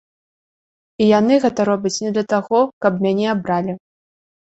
І яны гэта робяць не для таго, каб мяне абралі.